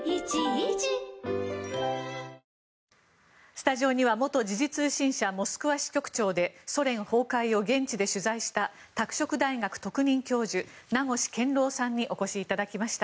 スタジオには元時事通信社モスクワ支局長でソ連崩壊を現地で取材した拓殖大学特任教授名越健郎さんにお越しいただきました。